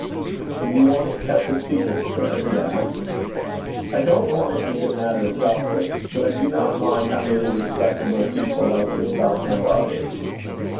'Do you want it kept a secret, sir?' he asked. 'I don't want it made a matter of gossip. But I do not mind how many respectable people like yourself know of it.'